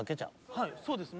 はいそうですね。